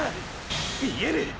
見える！！